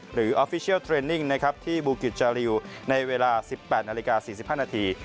ออฟฟิเชียลเทรนนิ่งนะครับที่บูกิจจาริวในเวลา๑๘นาฬิกา๔๕นาที